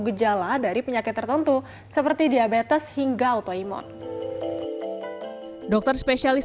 gejala dari penyakit tertentu seperti diabetes hingga autoimun dokter spesialis